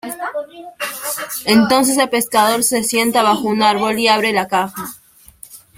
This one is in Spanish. Entonces, el pescador se sienta bajo un árbol y abre la caja.